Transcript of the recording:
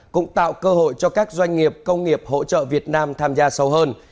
cũng tạo cơ hội cho các doanh nghiệp công nghiệp hỗ trợ việt nam tham gia sâu hơn